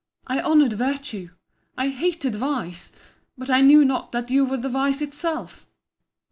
—I honoured virtue!—I hated vice!—But I knew not, that you were vice itself!